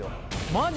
マジ？